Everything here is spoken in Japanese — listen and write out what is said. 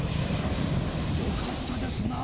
「よかったですなあ